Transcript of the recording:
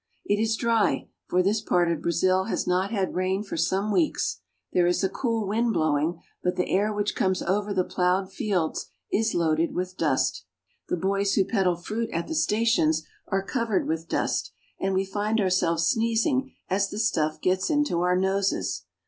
It is dry, for this part of Brazil has not had rain for some weeks. There is a cool wind blowing, but the air which comes over the plowed fields is loaded with dust. Coffee Plantation. The boys who peddle fruit at the stations are covered with dust, and we find ourselves sneezing as the stuff gets into our noses.